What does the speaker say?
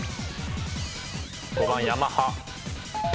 ５番ヤマハ。